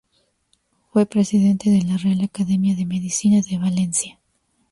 Fue presidente de la Real Academia de Medicina de Valencia.